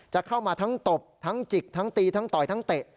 จะเข้ามาทั้งตบทั้งจิกทั้งตีทั้งต่อยทั้งเตะ